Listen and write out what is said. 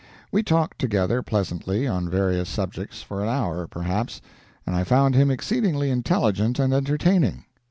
We talked together pleasantly on various subjects for an hour, perhaps, and I found him exceedingly intelligent and entertaining.